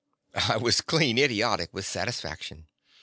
I was clean idiotic with satisfaction.